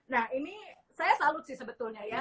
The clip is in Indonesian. nah ini saya salut sih sebetulnya ya